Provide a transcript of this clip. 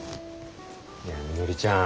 いやみのりちゃん